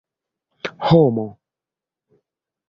homo